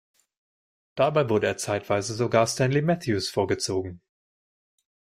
Dabei wurde er zeitweise sogar Stanley Matthews vorgezogen.